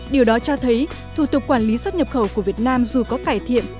điều đó cho thấy thủ tục quản lý xuất nhập khẩu của việt nam dù có cải thiện